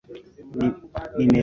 Nitatazama tamthilia Jumapili